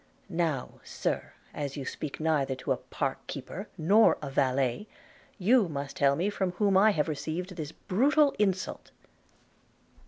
Now, Sir, as you speak neither to a park keeper nor a valet, you must tell me from whom I have received this brutal insult.'